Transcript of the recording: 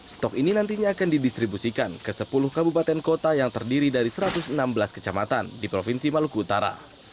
stok ini nantinya akan didistribusikan ke sepuluh kabupaten kota yang terdiri dari satu ratus enam belas kecamatan di provinsi maluku utara